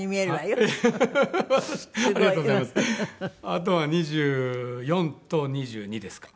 あとは２４と２２ですか。